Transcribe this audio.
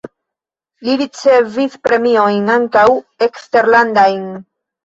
Li ricevis premiojn (ankaŭ eksterlandajn).